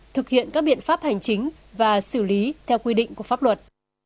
thực hiện các biện pháp hành chính và xử lý theo quy định của pháp luật